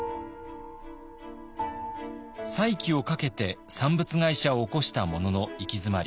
再起をかけて産物会社を興したものの行き詰まり